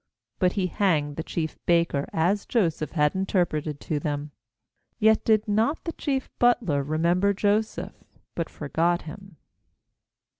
^But he hanged the chief baker, as Joseph had interpreted to them. ^Yet did not the chief butler remember Joseph, but forgot him.